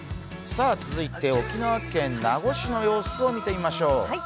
続いて沖縄県名護市の様子を見てみましょう。